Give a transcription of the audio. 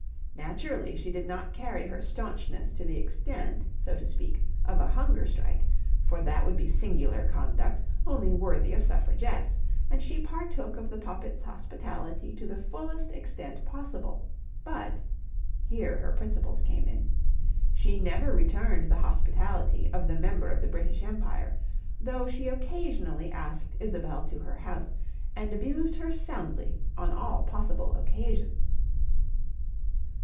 Naturally she did not carry her staunchness to the extent, so to speak, of a hunger strike, for that would be singular conduct, only worthy of suffragettes, and she partook of the Poppit's hospitality to the fullest extent possible, but (here her principles came in) she never returned the hospitality of the Member of the British Empire, though she occasionally asked Isobel to her house, and abused her soundly on all possible occasions.